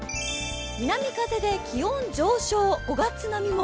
南風で気温上昇、５月並みも。